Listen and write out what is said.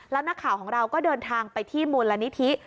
แล้วนักข่าวของเราก็เดินทางไปที่มูลนิธิ